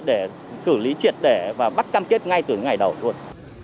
và xử lý triệt để và bắt cam kết ngay từ ngày đầu luôn